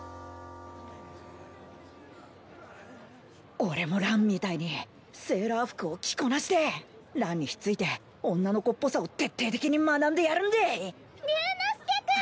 俺もランみたいにセーラー服を着こなしてえランにひっついて女の子っぽさを徹底的に学んでやるんでぇ！・竜之介くん！